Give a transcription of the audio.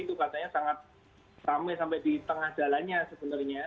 itu katanya sangat rame sampai di tengah jalannya sebenarnya